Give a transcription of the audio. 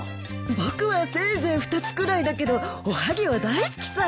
僕はせいぜい２つくらいだけどおはぎは大好きさ。